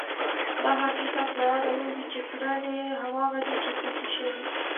دا حقیقت له یاده ووځي چې کړنې هماغه دي چې پېښې شوې.